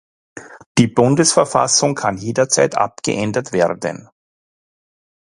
Die Bundesverfassung kann jederzeit abgeändert werden.